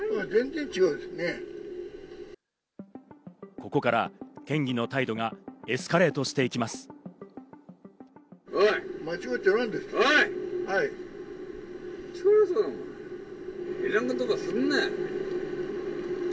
ここから県議の態度がエスカレートしていきます。